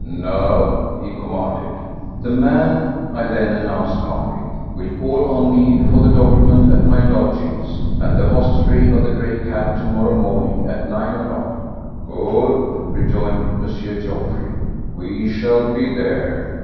"Now—" he commanded. "The man," I then announced calmly, "will call on me for the document at my lodgings at the hostelry of the 'Grey Cat' to morrow morning at nine o'clock." "Good," rejoined M. Geoffroy. "We shall be there."